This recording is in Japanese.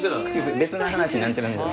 「別な話なんちゃらなんちゃら」。